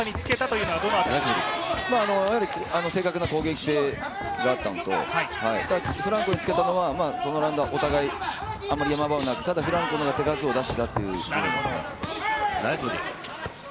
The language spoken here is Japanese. やはり正確な攻撃性があったのとフランコにつけたのはそのラウンドはお互いあまり山場がなくただフランコの方が手数を出していたということですね。